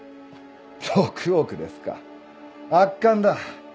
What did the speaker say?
６億ですか圧巻だ。